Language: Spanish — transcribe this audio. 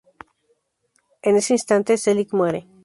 En ese instante, Selig muere.